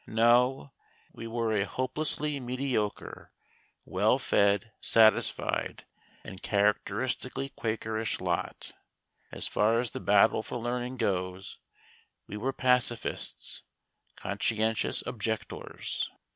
No: we were a hopelessly mediocre, well fed, satisfied, and characteristically Quakerish lot. As far as the battle for learning goes, we were pacifists conscientious objectors.